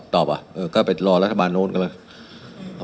ตอบอ่ะเออก็ไปรอรัฐบาลโน้นกันละ